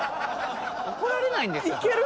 怒られないんですか？